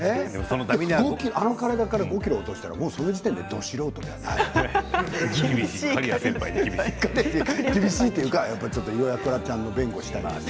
あの体から５ｋｇ落としたらその時点でもうど素人じゃない厳しいというか、ちょっと岩倉ちゃんの弁護したくなる。